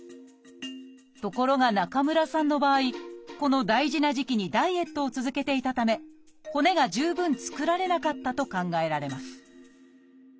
ところが中村さんの場合この大事な時期にダイエットを続けていたため骨が十分作られなかったと考えられます